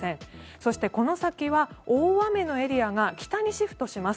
そして、この先は大雨のエリアが北にシフトします。